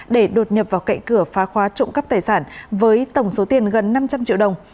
để đột nhập vào cậy cửa phá khóa trộm cắp tài sản với tổng số tiền gần năm trăm linh triệu đồng